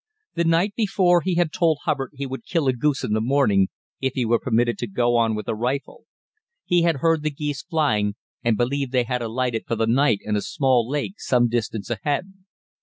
The night before he had told Hubbard he would kill a goose in the morning, if he were permitted to go on with a rifle. He had heard the geese flying, and believed they had alighted for the night in a small lake some distance ahead.